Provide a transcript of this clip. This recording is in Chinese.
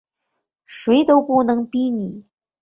谁都不能逼他